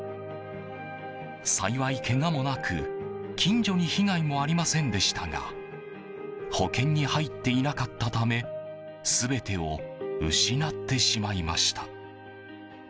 幸い、けがもなく近所に被害もありませんでしたが保険に入っていなかったため全てを失ってしまいました。